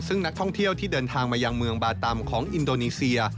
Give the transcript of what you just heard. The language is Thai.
ซึ่งนักท่องเที่ยวที่เดินทางมายังเมืองบาตำของอินโดนีเซีย